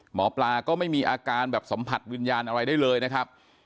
หมอปลาก็ไม่มีอาการแบบสัมผัสวิญญาณอะไรได้เลยนะครับ